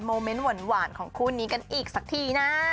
เมนต์หวานของคู่นี้กันอีกสักทีนะ